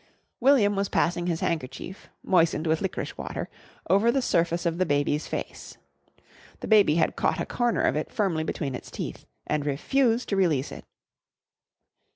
William was passing his handkerchief, moistened with licorice water, over the surface of the baby's face. The baby had caught a corner of it firmly between its teeth and refused to release it.